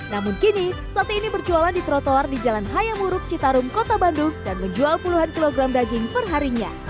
namun kini sate ini berjualan di trotoar di jalan hayamuruk citarum kota bandung dan menjual puluhan kilogram daging perharinya